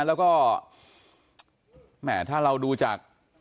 แล้วก็แหมถ้าเราดูจาก